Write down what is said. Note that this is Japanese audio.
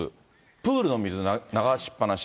プールの水、流しっぱなし。